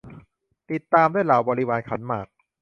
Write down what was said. ติดตามด้วยเหล่าบริวารขันหมาก